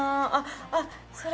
あっそれ。